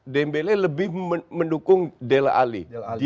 dan dembele lebih mendukung dele alli